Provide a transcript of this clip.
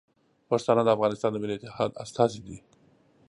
پښتانه د افغانستان د ملي اتحاد استازي دي.